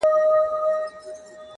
لوړ همت ناامیدي شاته پرېږدي.